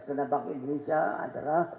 karena bank indonesia antara